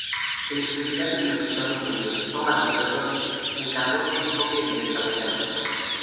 El expresidente de los Estados Unidos Thomas Jefferson encargó seis copias directamente al autor.